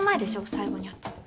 最後に会ったの。